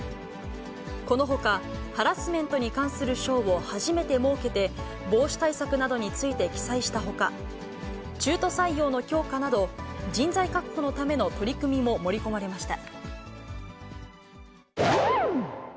このほか、ハラスメントに関する章を初めて設けて、防止対策などについて記載したほか、中途採用の強化など、人材確保のための取り組みも盛り込まれました。